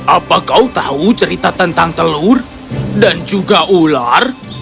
apa kau tahu cerita tentang telur dan juga ular